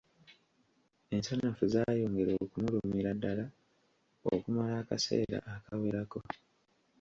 Ensanafu zaayongera okumulumira ddala okumala akaseera akawerako.